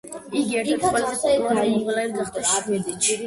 იგი ერთ-ერთი ყველაზე პოპულარული მომღერალი გახდა შვედეთში.